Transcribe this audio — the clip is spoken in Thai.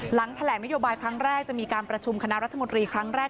หลังแถลงนโยบายครั้งแรกจะมีการประชุมคณะรัฐมนตรีครั้งแรก